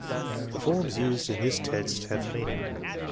The forms used in this test have meaning.